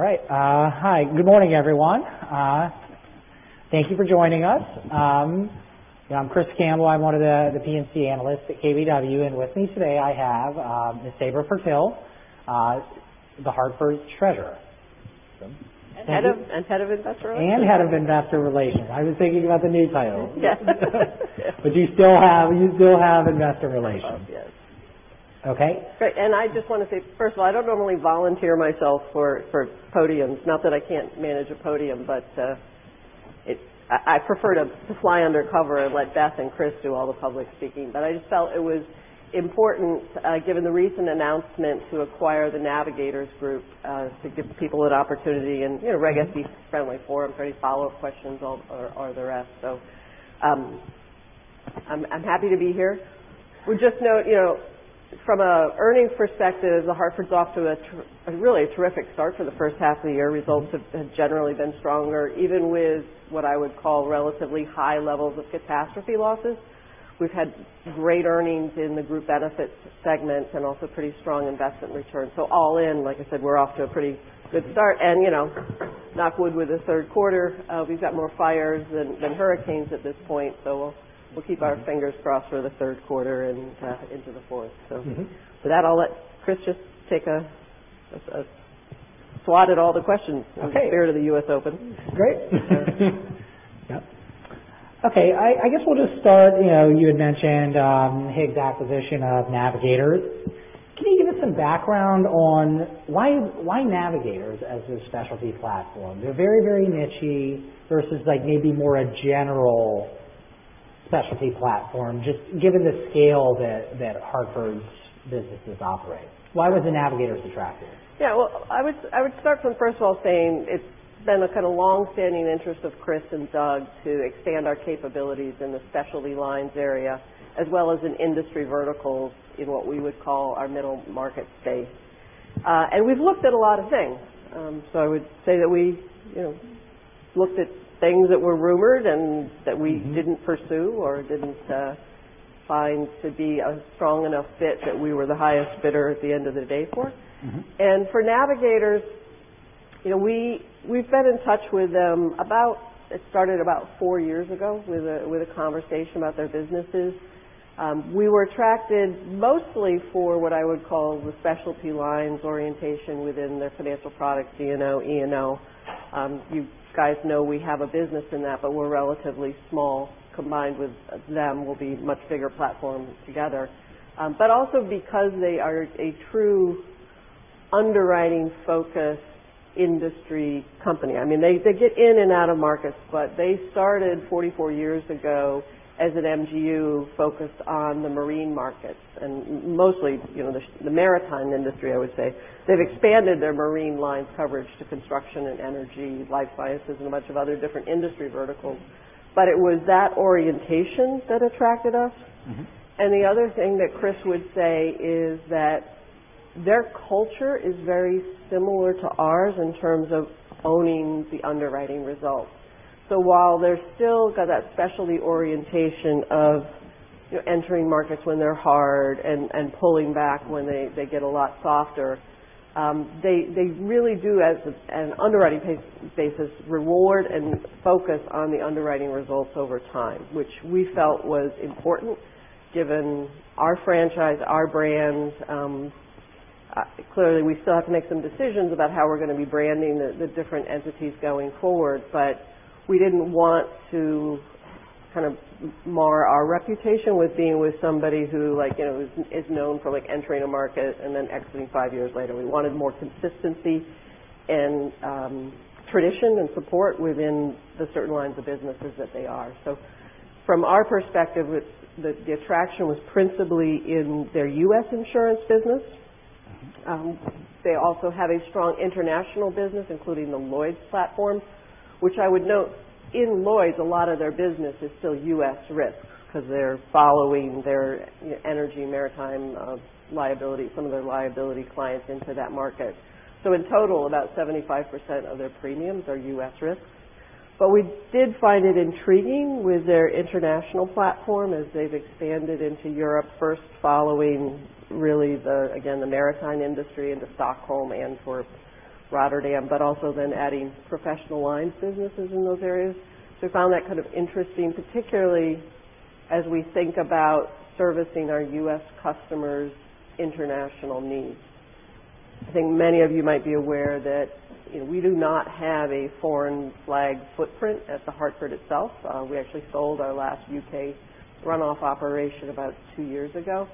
All right. Hi. Good morning, everyone. Thank you for joining us. I'm Chris Campbell. I'm one of the P&C Analysts at KBW. With me today I have Ms. Sabra Purtill, The Hartford Treasurer. Head of Investor Relations. Head of Investor Relations. I was thinking about the new title. Yes. You still have Investor Relations. Yes. Okay. I just want to say, first of all, I don't normally volunteer myself for podiums. Not that I can't manage a podium, I prefer to fly undercover and let Beth and Chris do all the public speaking. I just felt it was important, given the recent announcement to acquire The Navigators Group, to give people an opportunity, and I guess a friendly forum for any follow-up questions or the rest. I'm happy to be here. Would just note, from an earnings perspective, The Hartford's off to really a terrific start for the first half of the year. Results have generally been stronger, even with what I would call relatively high levels of catastrophe losses. We've had great earnings in the group benefits segment and also pretty strong investment returns. All in, like I said, we're off to a pretty good start. Knock wood with the third quarter. We've got more fires than hurricanes at this point. We'll keep our fingers crossed for the third quarter and into the fourth. With that, I'll let Chris just take a swat at all the questions. Okay fair to the U.S. Open. Great. Yep. Okay, I guess we'll just start. You had mentioned HIG's acquisition of Navigators. Can you give us some background on why Navigators as a specialty platform? They're very nichey versus maybe more a general specialty platform, just given the scale that The Hartford's businesses operate. Why was Navigators attractive? I would start from first of all saying it's been a kind of longstanding interest of Chris and Doug to expand our capabilities in the specialty lines area, as well as in industry verticals in what we would call our middle market space. We've looked at a lot of things. I would say that we looked at things that were rumored and that we didn't pursue or didn't find to be a strong enough fit that we were the highest bidder at the end of the day for. For Navigators, we've been in touch with them, it started about four years ago with a conversation about their businesses. We were attracted mostly for what I would call the specialty lines orientation within the financial products, D&O, E&O. You guys know we have a business in that, but we're relatively small. Combined with them, we'll be much bigger platforms together. Also because they are a true underwriting-focused industry company. They get in and out of markets, but they started 44 years ago as an MGU focused on the marine markets and mostly the maritime industry, I would say. They've expanded their marine lines coverage to construction and energy, life sciences, and a bunch of other different industry verticals. It was that orientation that attracted us. The other thing that Chris would say is that their culture is very similar to ours in terms of owning the underwriting results. While they've still got that specialty orientation of entering markets when they're hard and pulling back when they get a lot softer. They really do, as an underwriting basis, reward and focus on the underwriting results over time, which we felt was important given our franchise, our brands. Clearly, we still have to make some decisions about how we're going to be branding the different entities going forward. We didn't want to mar our reputation with being with somebody who is known for entering a market and then exiting five years later. We wanted more consistency and tradition and support within the certain lines of businesses that they are. From our perspective, the attraction was principally in their U.S. insurance business. They also have a strong international business, including the Lloyd's platform, which I would note in Lloyd's, a lot of their business is still U.S. risk because they're following their energy maritime liability, some of their liability clients into that market. In total, about 75% of their premiums are U.S. risk. We did find it intriguing with their international platform as they've expanded into Europe first following really the again, the maritime industry into Stockholm, Antwerp, Rotterdam, but also then adding professional lines businesses in those areas. We found that kind of interesting, particularly as we think about servicing our U.S. customers' international needs. I think many of you might be aware that we do not have a foreign flag footprint at The Hartford itself. We actually sold our last U.K. runoff operation about two years ago.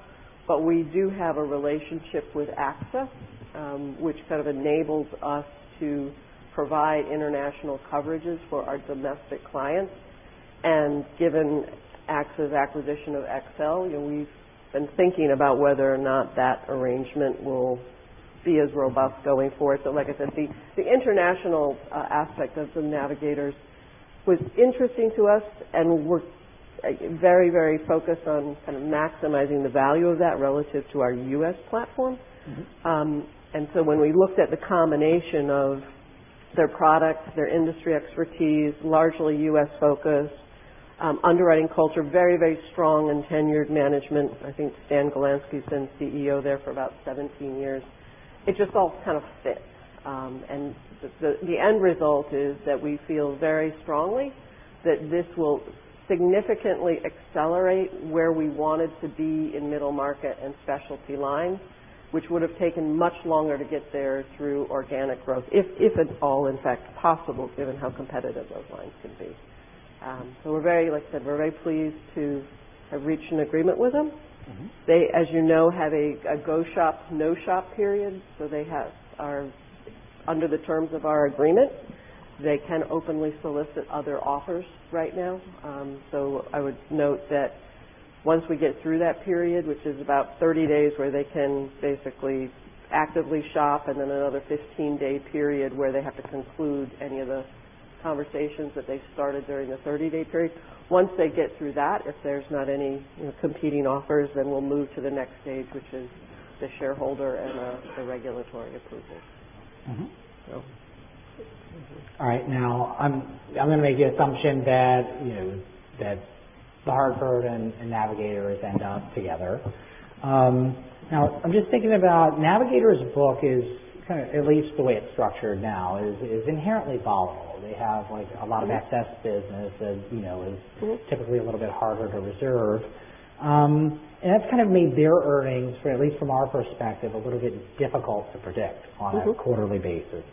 We do have a relationship with AXA which kind of enables us to provide international coverages for our domestic clients. Given AXA's acquisition of XL, we've been thinking about whether or not that arrangement will be as robust going forward. Like I said, the international aspect of the Navigators was interesting to us, and we're very focused on kind of maximizing the value of that relative to our U.S. platform. When we looked at the combination of Their products, their industry expertise, largely U.S.-focused. Underwriting culture, very strong and tenured management. I think Stan Galanski's been CEO there for about 17 years. It just all kind of fits. The end result is that we feel very strongly that this will significantly accelerate where we wanted to be in middle market and specialty lines, which would have taken much longer to get there through organic growth, if at all, in fact, possible, given how competitive those lines can be. Like I said, we're very pleased to have reached an agreement with them. They, as you know, have a go-shop, no-shop period. Under the terms of our agreement, they can openly solicit other offers right now. I would note that once we get through that period, which is about 30 days, where they can basically actively shop, and then another 15-day period where they have to conclude any of the conversations that they started during the 30-day period. Once they get through that, if there's not any competing offers, we'll move to the next stage, which is the shareholder and the regulatory approvals. So. All right. I'm going to make the assumption that The Hartford and Navigators end up together. I'm just thinking about Navigators' book is kind of, at least the way it's structured now, is inherently volatile. They have a lot of- Okay excess business that is typically a little bit harder to reserve. That's kind of made their earnings, at least from our perspective, a little bit difficult to predict on- a quarterly basis.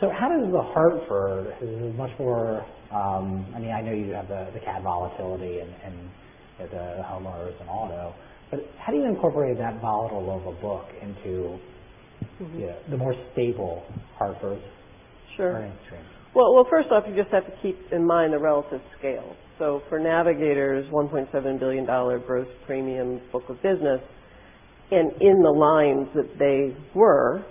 How does The Hartford, who's a much more I know you have the cat volatility and the homeowners and auto, but how do you incorporate that volatile of a book into- the more stable Hartford- Sure earnings stream? Well, first off, you just have to keep in mind the relative scale. For Navigators, $1.7 billion gross premium book of business, and in the lines that they were,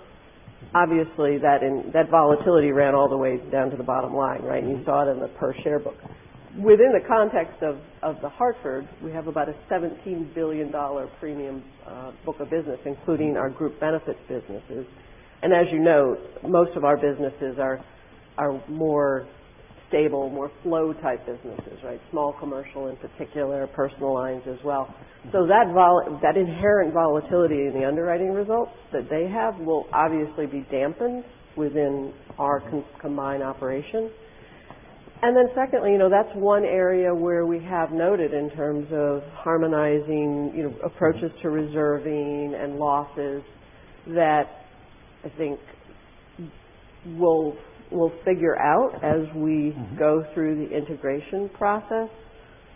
obviously that volatility ran all the way down to the bottom line, right? You saw it in the per share book. Within the context of The Hartford, we have about a $17 billion premium book of business, including our group benefits businesses. As you know, most of our businesses are more stable, more flow type businesses, right? Small, commercial, and particular personal lines as well. That inherent volatility in the underwriting results that they have will obviously be dampened within our combined operations. Secondly, that's one area where we have noted in terms of harmonizing approaches to reserving and losses that I think we'll figure out as we- go through the integration process.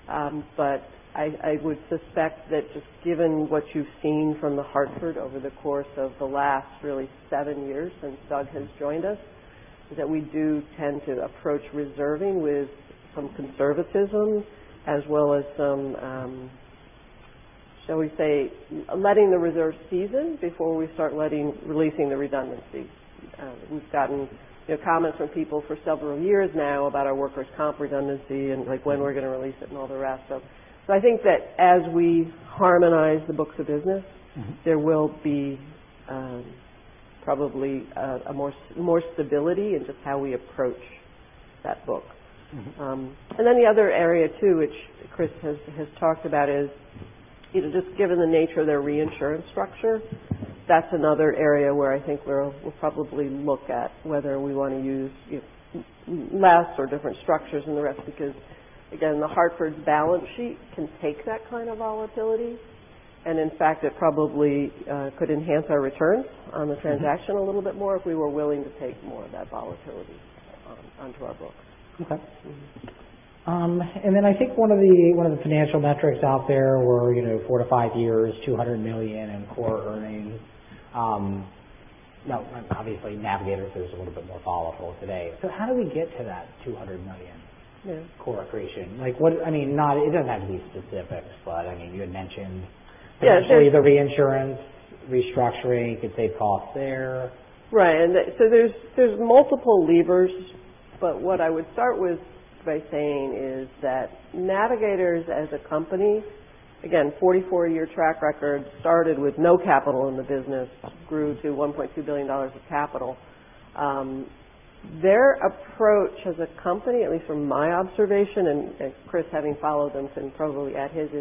I would suspect that just given what you've seen from The Hartford over the course of the last really seven years since Doug has joined us, is that we do tend to approach reserving with some conservatism as well as some, shall we say, letting the reserve season before we start releasing the redundancy. We've gotten comments from people for several years now about our workers' compensation redundancy and when we're going to release it and all the rest. I think that as we harmonize the books of business- there will be probably more stability in just how we approach that book. The other area, too, which Chris has talked about, is just given the nature of their reinsurance structure, that's another area where I think we'll probably look at whether we want to use less or different structures and the rest, because again, The Hartford's balance sheet can take that kind of volatility, and in fact, it probably could enhance our returns on the transaction a little bit more if we were willing to take more of that volatility onto our book. Okay. I think one of the financial metrics out there were four to five years, $200 million in core earnings. Obviously, Navigators is a little bit more volatile today. How do we get to that $200 million- Yeah core accretion? It doesn't have to be specifics, but you had mentioned- Yeah potentially the reinsurance restructuring could save costs there. Right. There's multiple levers. What I would start with by saying is that Navigators as a company, again, 44-year track record, started with no capital in the business, grew to $1.2 billion of capital. Their approach as a company, at least from my observation, and Chris having followed them, and probably at his, is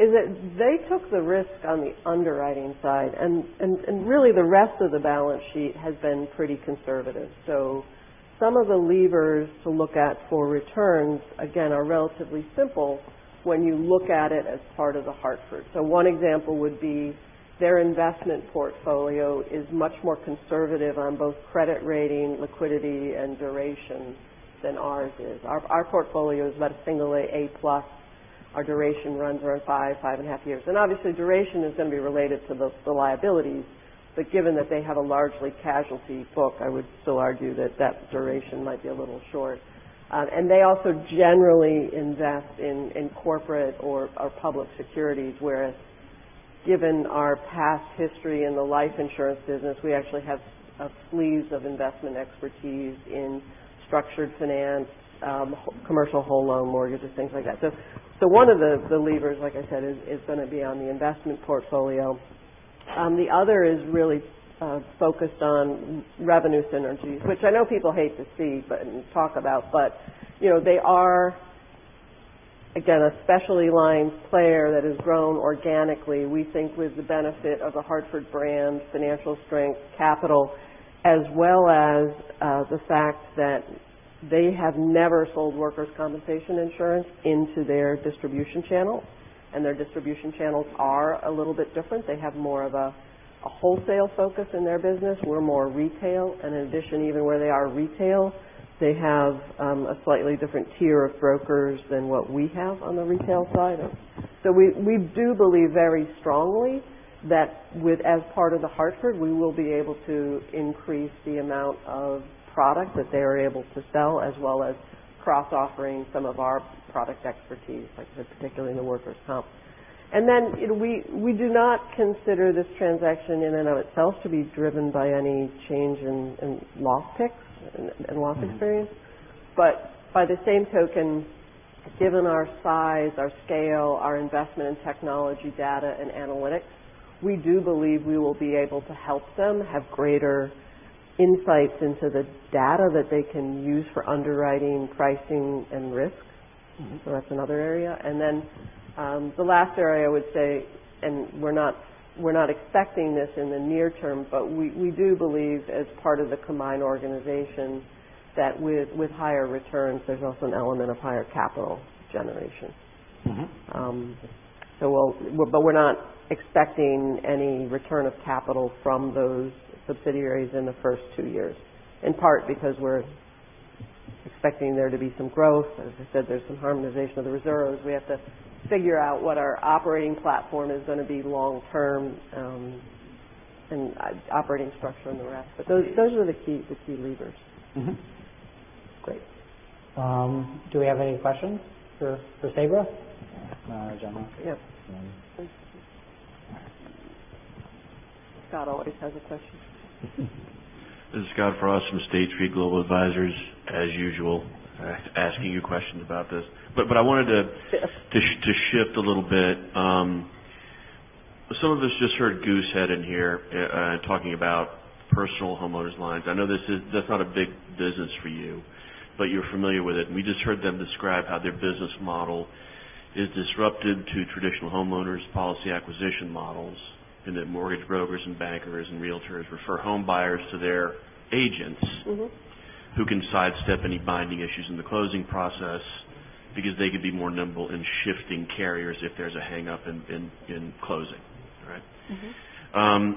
that they took the risk on the underwriting side, and really the rest of the balance sheet has been pretty conservative. Some of the levers to look at for returns, again, are relatively simple when you look at it as part of The Hartford. One example would be their investment portfolio is much more conservative on both credit rating, liquidity, and duration than ours is. Our portfolio is about a single A-plus. Our duration runs around five and a half years. Obviously, duration is going to be related to the liabilities. Given that they have a largely casualty book, I would still argue that that duration might be a little short. They also generally invest in corporate or public securities, whereas given our past history in the life insurance business, we actually have a sleeve of investment expertise in structured finance, commercial whole loan mortgages, things like that. One of the levers, like I said, is going to be on the investment portfolio. The other is really focused on revenue synergies, which I know people hate to see and talk about, they are, again, a specialty lines player that has grown organically, we think with the benefit of The Hartford brand, financial strength, capital, as well as the fact that they have never sold workers' compensation insurance into their distribution channels. Their distribution channels are a little bit different. They have more of a wholesale focus in their business. We're more retail. In addition, even where they are retail, they have a slightly different tier of brokers than what we have on the retail side. We do believe very strongly that as part of The Hartford, we will be able to increase the amount of product that they are able to sell, as well as cross-offering some of our product expertise, like I said, particularly in the workers' compensation. We do not consider this transaction in and of itself to be driven by any change in loss picks and loss experience. By the same token, given our size, our scale, our investment in technology, data, and analytics, we do believe we will be able to help them have greater insights into the data that they can use for underwriting, pricing, and risk. That's another area. The last area I would say, and we're not expecting this in the near term, but we do believe as part of the combined organization that with higher returns, there's also an element of higher capital generation. We're not expecting any return of capital from those subsidiaries in the first two years, in part because we're expecting there to be some growth. As I said, there's some harmonization of the reserves. We have to figure out what our operating platform is going to be long term, and operating structure and the rest. Those are the key levers. Great. Do we have any questions for Sabra? Scott always has a question. This is Scott Frost from State Street Global Advisors. As usual, asking you questions about this. I wanted Yes to shift a little bit. Some of us just heard Goosehead in here talking about personal homeowners lines. I know that's not a big business for you, but you're familiar with it. We just heard them describe how their business model is disruptive to traditional homeowners policy acquisition models, and that mortgage brokers and bankers and realtors refer home buyers to their agents who can sidestep any binding issues in the closing process because they could be more nimble in shifting carriers if there's a hang-up in closing. Right?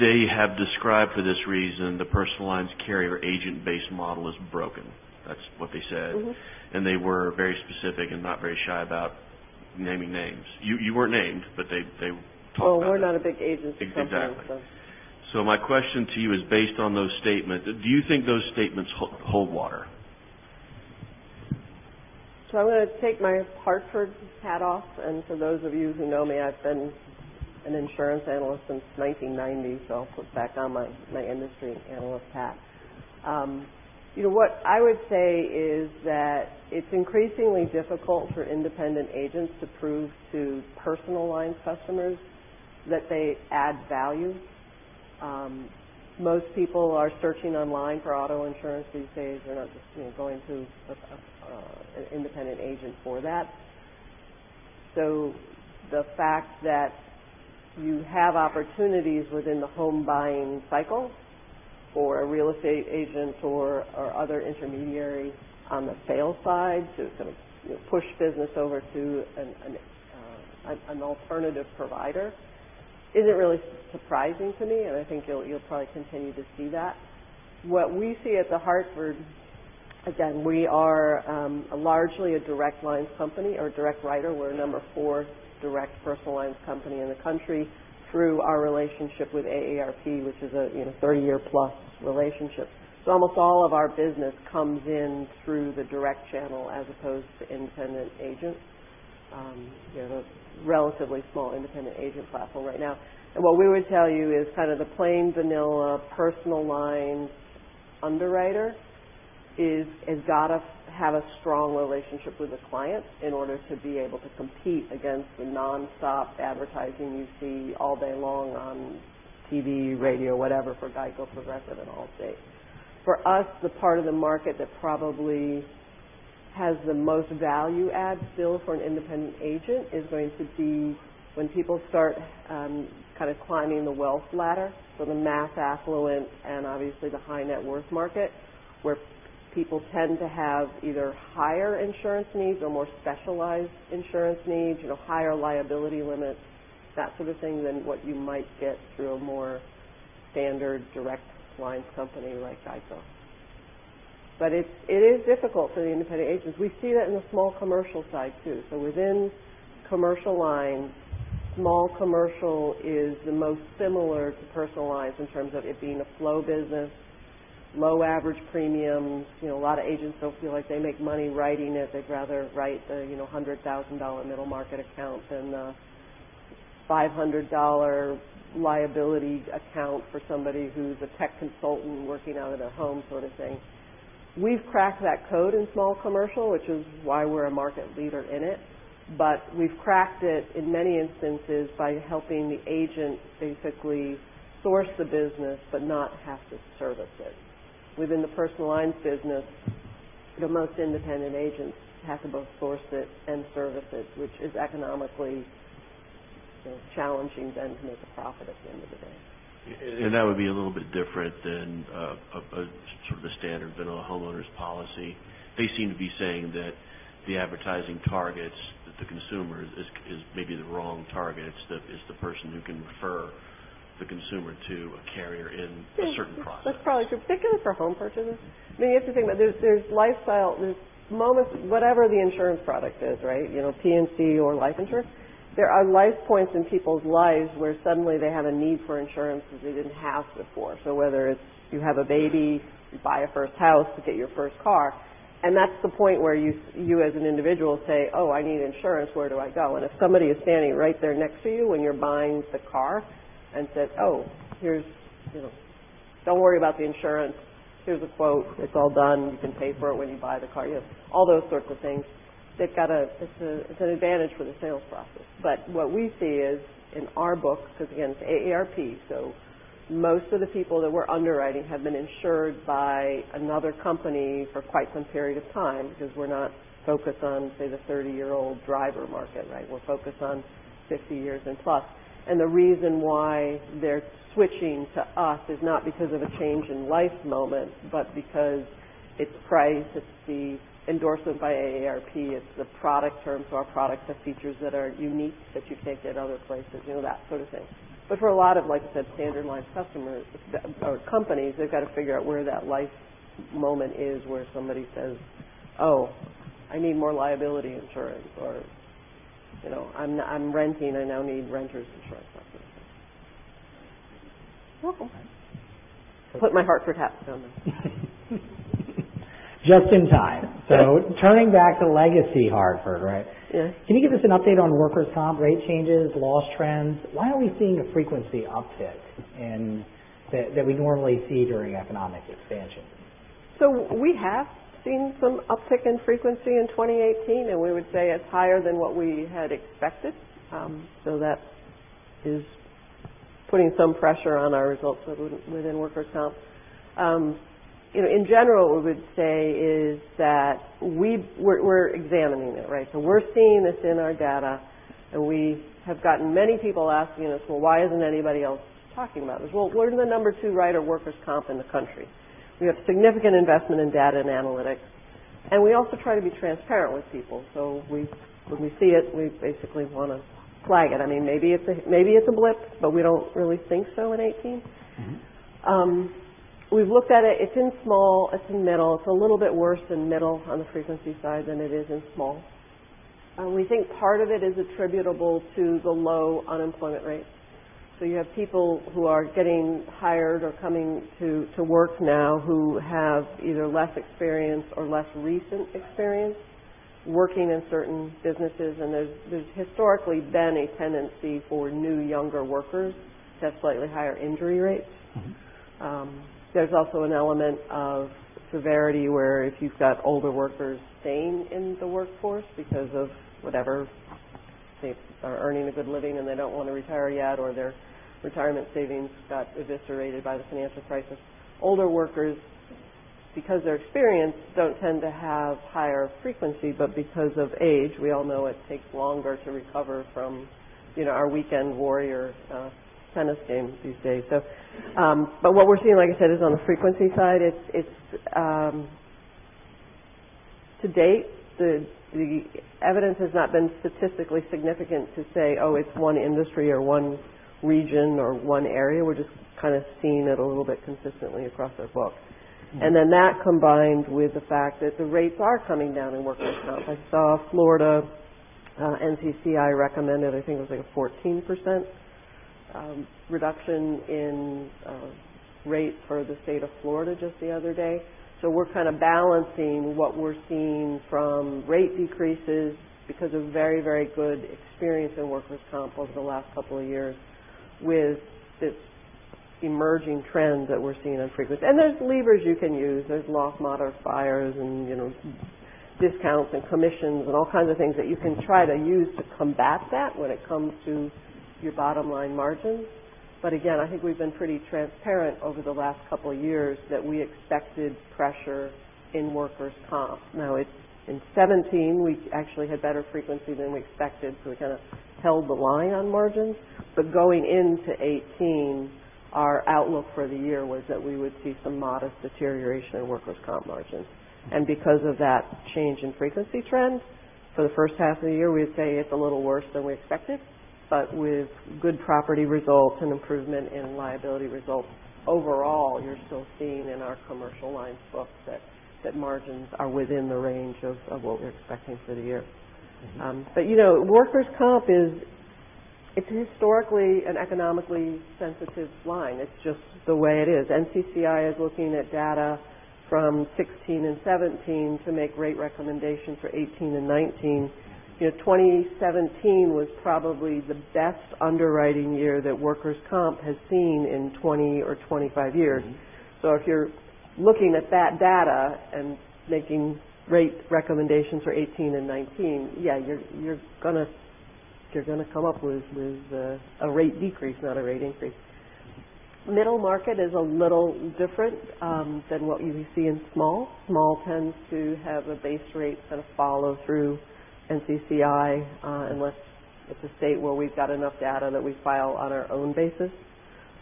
They have described for this reason, the personal lines carrier agent-based model as broken. That's what they said. They were very specific and not very shy about naming names. You weren't named, but they talked about. We're not a big agent company. Exactly. My question to you is based on those statements. Do you think those statements hold water? I'm going to take my Hartford hat off, and for those of you who know me, I've been an insurance analyst since 1990. I'll put back on my industry analyst hat. What I would say is that it's increasingly difficult for independent agents to prove to personal line customers that they add value. Most people are searching online for auto insurance these days. They're not just going to an independent agent for that. The fact that you have opportunities within the home buying cycle for a real estate agent or other intermediary on the sales side to push business over to an alternative provider isn't really surprising to me, and I think you'll probably continue to see that. What we see at The Hartford, again, we are largely a direct lines company or direct writer. We're a number 4 direct personal lines company in the country through our relationship with AARP, which is a 30-year plus relationship. Almost all of our business comes in through the direct channel as opposed to independent agents. We have a relatively small independent agent platform right now. What we would tell you is kind of the plain vanilla personal lines underwriter has got to have a strong relationship with a client in order to be able to compete against the nonstop advertising you see all day long on TV, radio, whatever, for GEICO, Progressive, and Allstate. For us, the part of the market that probably has the most value add still for an independent agent is going to be when people start kind of climbing the wealth ladder. The mass affluent and obviously the high net worth market, where people tend to have either higher insurance needs or more specialized insurance needs, higher liability limits, that sort of thing, than what you might get through a more standard direct lines company like GEICO. It is difficult for the independent agents. We see that in the small commercial side, too. Within commercial lines, small commercial is the most similar to personal lines in terms of it being a flow business, low average premiums. A lot of agents don't feel like they make money writing it. They'd rather write the $100,000 middle market accounts than the $500 liability account for somebody who's a tech consultant working out of their home sort of thing. We've cracked that code in small commercial, which is why we're a market leader in it. We've cracked it in many instances by helping the agent basically source the business but not have to service it. Within the personal lines business, the most independent agents have to both source it and service it, which is economically challenging then to make a profit at the end of the day. That would be a little bit different than a standard vanilla homeowners policy. They seem to be saying that the advertising targets the consumers is maybe the wrong target. It's the person who can refer the consumer to a carrier in a certain process. That's probably true, particularly for home purchasers. Here's the thing, there's moments, whatever the insurance product is, P&C or life insurance, there are life points in people's lives where suddenly they have a need for insurance that they didn't have before. Whether it's you have a baby, you buy a first house, you get your first car, and that's the point where you as an individual say, "Oh, I need insurance. Where do I go?" If somebody is standing right there next to you when you're buying the car and says, "Oh, don't worry about the insurance. Here's a quote. It's all done. You can pay for it when you buy the car," all those sorts of things. It's an advantage for the sales process. What we see is in our books, because again, it's AARP, most of the people that we're underwriting have been insured by another company for quite some period of time because we're not focused on, say, the 30-year-old driver market. We're focused on 50 years and plus. The reason why they're switching to us is not because of a change in life moment, but because it's price, it's the endorsement by AARP, it's the product terms. Our products have features that are unique that you can't get other places, that sort of thing. For a lot of, like I said, standardized companies, they've got to figure out where that life moment is where somebody says, "Oh, I need more liability insurance," or, "I'm renting. I now need renters insurance," that sort of thing. Okay. Put my Hartford hat down then. Just in time. Turning back to legacy Hartford, right? Yes. Can you give us an update on workers' compensation rate changes, loss trends? Why are we seeing a frequency uptick that we normally see during economic expansions? We have seen some uptick in frequency in 2018, and we would say it's higher than what we had expected. That is putting some pressure on our results within workers' compensation. In general, what we would say is that we're examining it. We're seeing this in our data, and we have gotten many people asking us, "Why isn't anybody else talking about this?" We're the number 2 writer of workers' compensation in the country. We have significant investment in data and analytics, and we also try to be transparent with people. When we see it, we basically want to flag it. Maybe it's a blip, but we don't really think so in 2018. We've looked at it. It's in small, it's in middle. It's a little bit worse in middle on the frequency side than it is in small. We think part of it is attributable to the low unemployment rate. You have people who are getting hired or coming to work now who have either less experience or less recent experience working in certain businesses, and there's historically been a tendency for new, younger workers to have slightly higher injury rates. There's also an element of severity where if you've got older workers staying in the workforce because of whatever, they are earning a good living and they don't want to retire yet, or their retirement savings got eviscerated by the financial crisis. Older workers, because they're experienced, don't tend to have higher frequency, but because of age, we all know it takes longer to recover from our weekend warrior tennis games these days. What we're seeing, like I said, is on the frequency side. To date, the evidence has not been statistically significant to say, "Oh, it's one industry or one region or one area." We're just kind of seeing it a little bit consistently across our books. That combined with the fact that the rates are coming down in workers' comp. I saw Florida NCCI recommended, I think it was like a 14% reduction in rates for the state of Florida just the other day. We're kind of balancing what we're seeing from rate decreases because of very, very good experience in workers' comp over the last couple of years with this emerging trend that we're seeing on frequency. There's levers you can use. There's loss modifiers and discounts and commissions and all kinds of things that you can try to use to combat that when it comes to your bottom-line margins. Again, I think we've been pretty transparent over the last couple of years that we expected pressure in workers' comp. In 2017, we actually had better frequency than we expected, we kind of held the line on margins. Going into 2018, our outlook for the year was that we would see some modest deterioration in workers' comp margins. Because of that change in frequency trends, for the first half of the year, we'd say it's a little worse than we expected. With good property results and improvement in liability results, overall, you're still seeing in our commercial lines book that margins are within the range of what we're expecting for the year. Workers' comp is historically an economically sensitive line. It's just the way it is. NCCI is looking at data from 2016 and 2017 to make rate recommendations for 2018 and 2019. 2017 was probably the best underwriting year that workers' comp has seen in 20 or 25 years. If you're looking at that data and making rate recommendations for 2018 and 2019, yeah, you're going to come up with a rate decrease, not a rate increase. Middle market is a little different than what you would see in small. Small tends to have a base rate sort of follow through NCCI, unless it's a state where we've got enough data that we file on our own basis.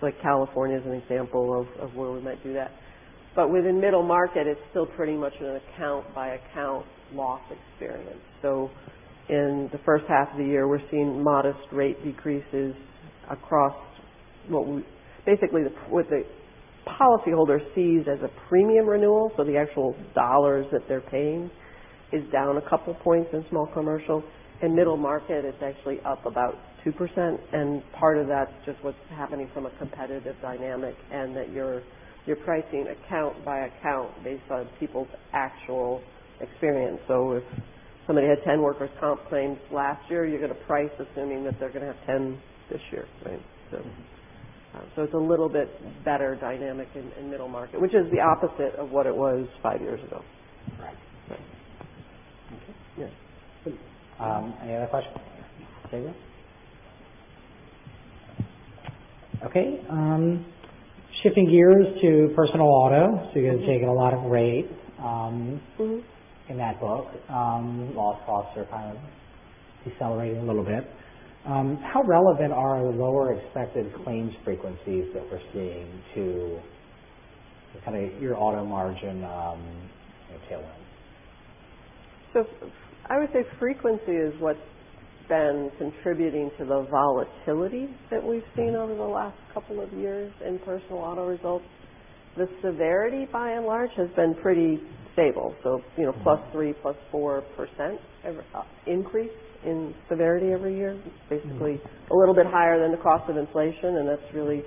Like California is an example of where we might do that. Within middle market, it's still pretty much an account-by-account loss experience. In the first half of the year, we're seeing modest rate decreases across basically what the policyholder sees as a premium renewal. The actual dollars that they're paying is down a couple points in small commercial. In middle market, it's actually up about 2%, and part of that's just what's happening from a competitive dynamic and that you're pricing account by account based on people's actual experience. If somebody had 10 workers' comp claims last year, you're going to price assuming that they're going to have 10 this year, right? It's a little bit better dynamic in middle market. Which is the opposite of what it was five years ago. Right. Okay. Yeah. Any other questions? Daniel? Okay. Shifting gears to personal auto. You guys have taken a lot of rate in that book. Loss costs are kind of decelerating a little bit. How relevant are the lower expected claims frequencies that we're seeing to your auto margin tailwind? I would say frequency is what's been contributing to the volatility that we've seen over the last couple of years in personal auto results. The severity, by and large, has been pretty stable. Plus 3%, plus 4% increase in severity every year. A little bit higher than the cost of inflation, that's really,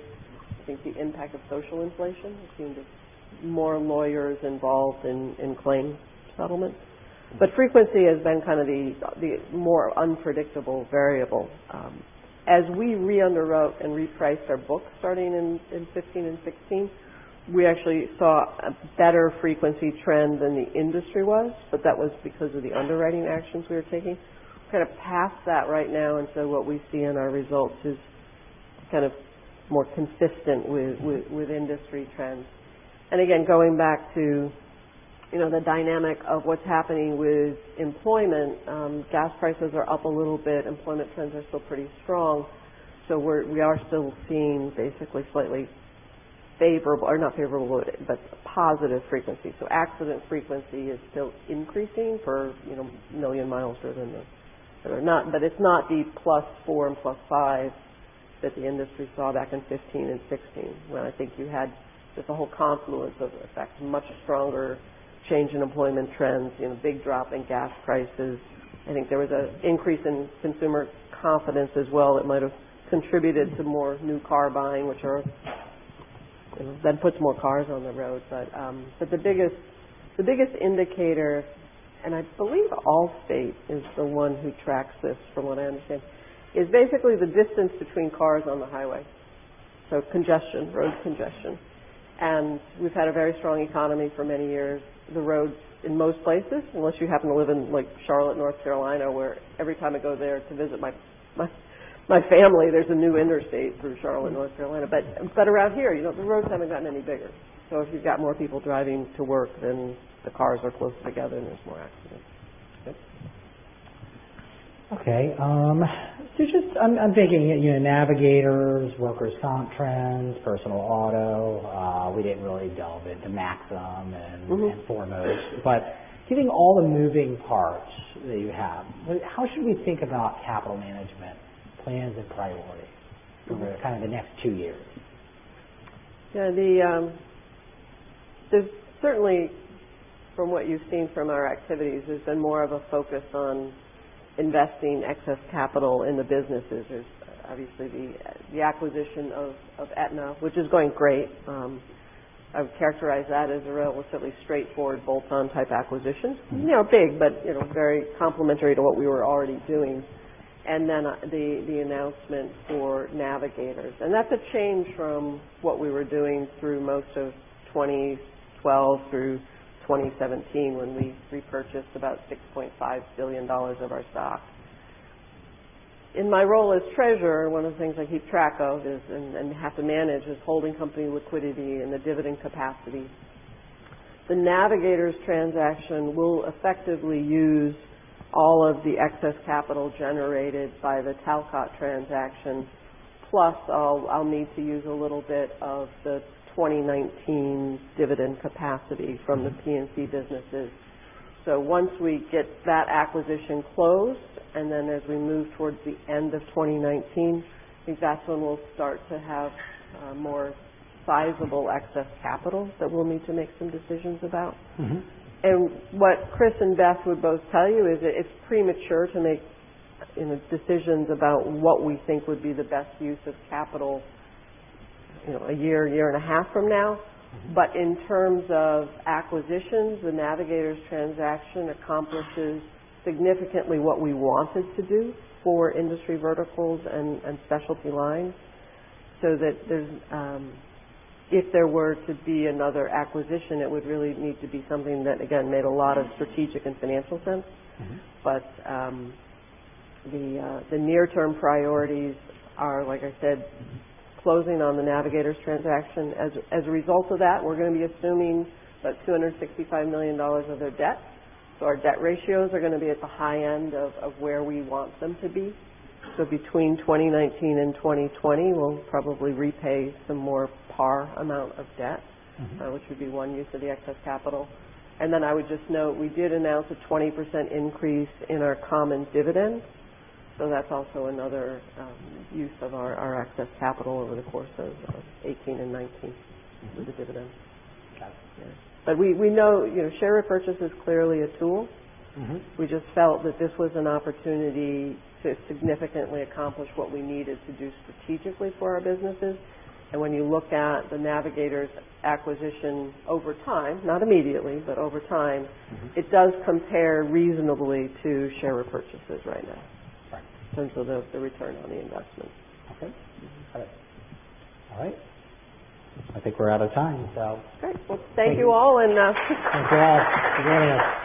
I think, the impact of social inflation. There seem to be more lawyers involved in claim settlement. Frequency has been kind of the more unpredictable variable. As we re-underwrote and repriced our book starting in 2015 and 2016, we actually saw a better frequency trend than the industry was, but that was because of the underwriting actions we were taking. We're kind of past that right now, what we see in our results is kind of more consistent with industry trends. Again, going back to the dynamic of what's happening with employment. Gas prices are up a little bit. Employment trends are still pretty strong. We are still seeing basically slightly favorable or not favorable, but positive frequency. Accident frequency is still increasing per million miles driven, but it's not the plus four and plus five that the industry saw back in 2015 and 2016, when I think you had just a whole confluence of effects. Much stronger change in employment trends, big drop in gas prices. I think there was an increase in consumer confidence as well that might have contributed to more new car buying, which then puts more cars on the road. The biggest indicator, and I believe Allstate is the one who tracks this, from what I understand, is basically the distance between cars on the highway. Congestion, road congestion. We've had a very strong economy for many years. The roads in most places, unless you happen to live in like Charlotte, North Carolina, where every time I go there to visit my family, there's a new interstate through Charlotte, North Carolina. Around here, the roads haven't gotten any bigger. If you've got more people driving to work, the cars are closer together, there's more accidents. Okay. Just I'm thinking Navigators, workers' comp trends, personal auto. We didn't really delve into Maxum and Foremost. Given all the moving parts that you have, how should we think about capital management plans and priorities over kind of the next two years? Yeah. Certainly from what you've seen from our activities, there's been more of a focus on investing excess capital in the businesses. There's obviously the acquisition of Aetna, which is going great. I would characterize that as a relatively straightforward bolt-on type acquisition. Big, but very complementary to what we were already doing. Then the announcement for Navigators. That's a change from what we were doing through most of 2012 through 2017 when we repurchased about $6.5 billion of our stock. In my role as Treasurer, one of the things I keep track of is, and have to manage, is holding company liquidity and the dividend capacity. The Navigators transaction will effectively use all of the excess capital generated by the Talcott transaction, plus I'll need to use a little bit of the 2019 dividend capacity from the P&C businesses. Once we get that acquisition closed, then as we move towards the end of 2019, I think that's when we'll start to have more sizable excess capital that we'll need to make some decisions about. What Chris and Beth would both tell you is that it's premature to make decisions about what we think would be the best use of capital a year and a half from now. In terms of acquisitions, the Navigators transaction accomplishes significantly what we wanted to do for industry verticals and specialty lines, so that if there were to be another acquisition, it would really need to be something that, again, made a lot of strategic and financial sense. The near-term priorities are, like I said, closing on the Navigators transaction. As a result of that, we're going to be assuming about $265 million of their debt. Our debt ratios are going to be at the high end of where we want them to be. Between 2019 and 2020, we'll probably repay some more par amount of debt. Which would be one use of the excess capital. I would just note, we did announce a 20% increase in our common dividend. That's also another use of our excess capital over the course of 2018 and 2019 with the dividend. Got it. Yeah. We know share repurchase is clearly a tool. We just felt that this was an opportunity to significantly accomplish what we needed to do strategically for our businesses. When you look at the Navigators acquisition over time, not immediately, but over time. It does compare reasonably to share repurchases right now. Right. In terms of the return on the investment. Okay. All right. I think we're out of time. Great. Well, thank you all. Thank you all for joining us.